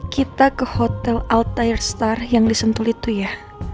kita ke hotel altair star yang di sentul itu ya